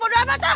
bodoh apa tuh